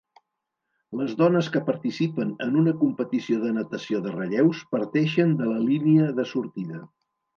Les dones que participen en una competició de natació de relleus parteixen de la línia de sortida.